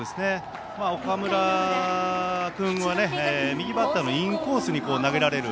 岡村君は右バッターのインコースに投げられる。